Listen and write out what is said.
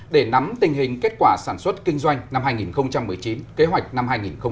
để nắm tình hình kết quả sản xuất kinh doanh năm hai nghìn một mươi chín kế hoạch năm hai nghìn hai mươi